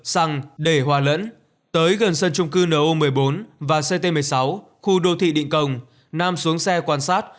xăng để hòa lẫn tới gần sân trung cư no một mươi bốn và ct một mươi sáu khu đô thị định công nam xuống xe quan sát